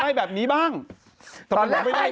แต่หนุ่มไม่ได้พี่แมว่ะแต่หนุ่มไม่ได้